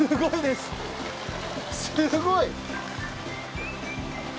すごい。